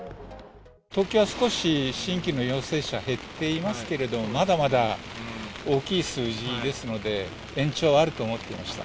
東京は少し新規の陽性者減っていますけれども、まだまだ大きい数字ですので、延長はあると思ってました。